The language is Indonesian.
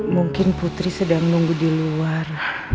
mungkin putri sedang menunggu di luar